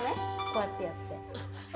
こうやってやって。